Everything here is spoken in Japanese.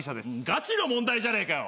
ガチの問題じゃねえかよ。